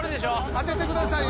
当ててくださいよ！